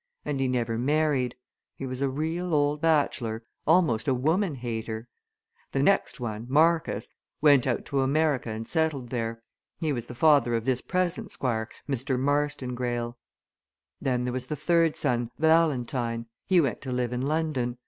And he never married he was a real old bachelor, almost a woman hater. The next one, Marcus, went out to America and settled there he was the father of this present Squire, Mr. Marston Greyle. Then there was the third son, Valentine he went to live in London.